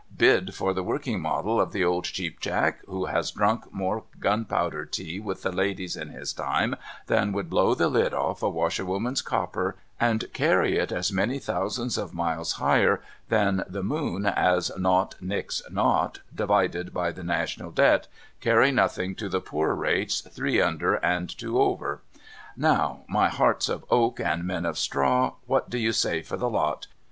Bid for the working model of the old Cheap Jack, who has drunk more gunpowder tea with tlie ladies in his time than would blow the lid off a washerwoman's copper, and carry it as many thousands of miles higher than the moon as naught nix naught, divided by the national debt, carry nothing to the poor rates, three under, and two over. Now, my hearts of oak and men of straw, what do you say for the lot